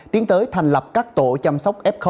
tiến tới thành lập các tổ chăm sóc f